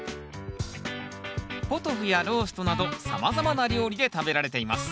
ポトフやローストなどさまざまな料理で食べられています。